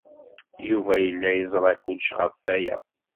Yuba yella yeẓra kullec ɣef waya.